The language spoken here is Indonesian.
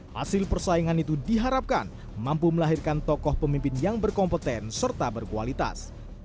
hasil persaingan itu diharapkan mampu melahirkan tokoh pemimpin yang berkompeten serta berkualitas